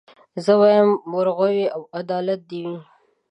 زه وايم وروغي او عدالت دي وي